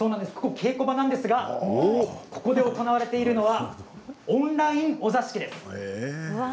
稽古場なんですがここで行われているのはオンラインお座敷です。